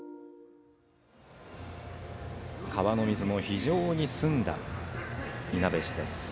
川の水も非常に澄んだいなべ市です。